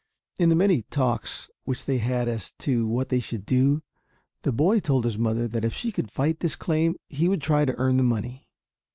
In the many talks which they had as to what they should do, the boy told his mother that if she could fight this claim he would try to earn the money.